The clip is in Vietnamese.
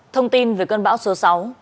thông tin về cơn bão số sáu